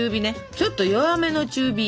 ちょっと弱めの中火。